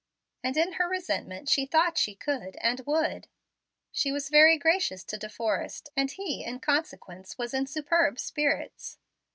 And in her resentment she thought she could and would. She was very gracious to De Forrest, and he in consequence was in superb spirits.